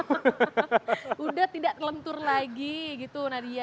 sudah tidak terlentur lagi gitu nadia